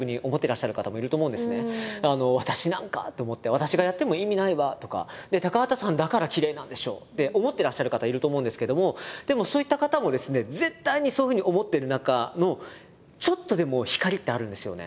「私がやっても意味ないわ」とか「高畑さんだからきれいなんでしょ」って思ってらっしゃる方いると思うんですけどもでもそういった方もですね絶対にそういうふうに思ってる中のちょっとでも光ってあるんですよね。